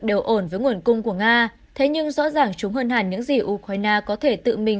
đều ổn với nguồn cung của nga thế nhưng rõ ràng chúng hơn hẳn những gì ukraine có thể tự mình